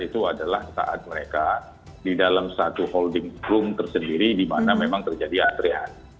itu adalah saat mereka di dalam satu holding room tersendiri di mana memang terjadi antrean